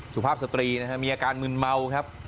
สุภาพสตรีนะครับมีอาการมึนเมาครับ